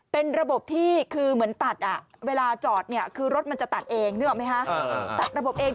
เป็นระบบที่คือเหมือนตัดคือเวลาเจาะรถมันจะตัดเอง